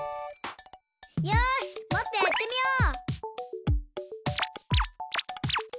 よしもっとやってみよう！